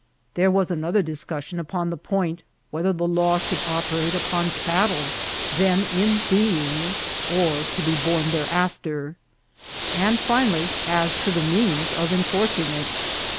'^ There was another discussion upon the point whether the law should operate upon cattle then in being or to be born thereafter ; and, finally, as to the means of enforcing it.